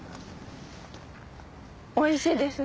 おいしいです。